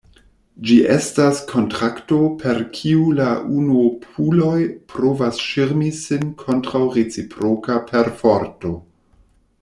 Ĝi estas kontrakto, per kiu la unuopuloj provas ŝirmi sin kontraŭ reciproka perforto.